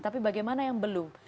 tapi bagaimana yang belum